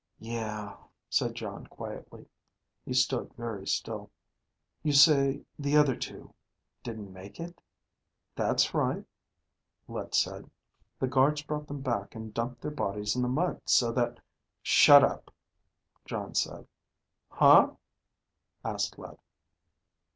"Yeah," said Jon quietly. He stood very still. "You say the other two ... didn't make it?" "That's right," Let said. "The guards brought them back and dumped their bodies in the mud so that ..." "Shut up," Jon said. "Huh?" asked Let.